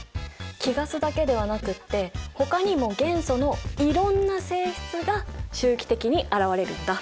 貴ガスだけではなくってほかにも元素のいろんな性質が周期的に現れるんだ。